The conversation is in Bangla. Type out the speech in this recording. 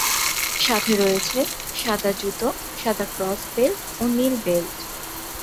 সাথে রয়েছে সাদা জুতো, সাদা ক্রস বেল্ট ও নীল বেল্ট।